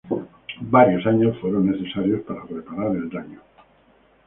Varios años fueron necesarios para reparar el daño.